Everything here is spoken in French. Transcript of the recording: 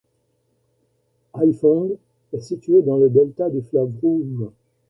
Hải Phòng est située dans le delta du fleuve Rouge.